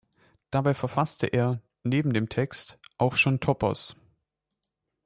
Dabei verfasste er, neben dem Text, auch schon Topos.